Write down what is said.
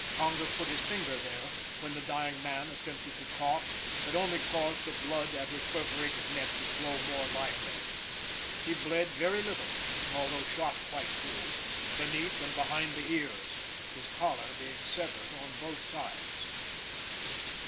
Conger put his finger there, when the dying man attempted to cough, but only caused the blood at his perforated neck to flow more, lively. He bled very little, although shot quite through, beneath and behind the ears, his collar being severed on both sides.